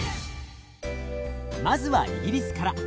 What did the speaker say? まずはイギリスから。